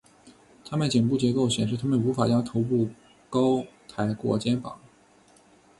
它们颈部结构显示它们无法将头部高抬过肩膀。